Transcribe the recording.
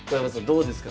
どうですか